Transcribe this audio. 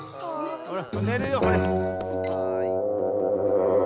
ほらねるよほれ。